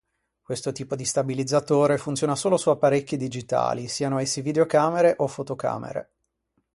Questo tipo di stabilizzatore funziona solo su apparecchi digitali, siano essi videocamere o fotocamere.